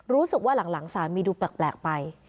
รู้สึกว่าหลังสามีดูแปลกไป